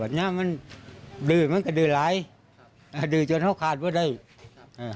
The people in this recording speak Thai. วันนี้มันดืมันก็ดือหลายอ่าดือจนเขาขาดว่าได้เออ